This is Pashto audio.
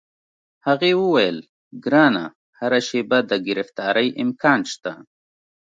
هغې وویل: ګرانه، هره شیبه د ګرفتارۍ امکان شته.